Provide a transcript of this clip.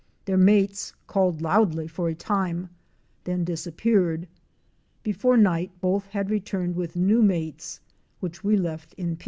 Their mates called loudly for a time, then disappeared. Before night both had returned with new mates, which we left in peace.